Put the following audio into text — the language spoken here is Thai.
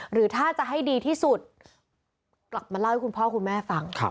หรือถ้าจะให้ดีที่สุดกลับมาเล่าให้คุณพ่อคุณแม่ฟัง